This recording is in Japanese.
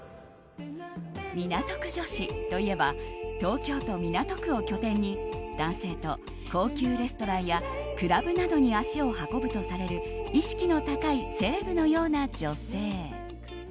港区女子といえば東京都港区を拠点に男性と高級レストランやクラブなどに足を運ぶとされる意識の高いセレブのような女性。